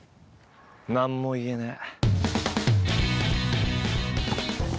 何も言えねえ。